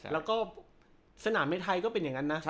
แล้วก็สนามในไทยก็เป็นอย่างนั้นนะ